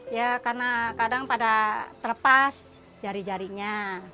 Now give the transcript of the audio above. ya karena kadang pada terlepas jari jarinya